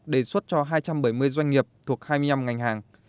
đề xuất cho hai trăm bảy mươi doanh nghiệp thuộc hai mươi năm ngành hàng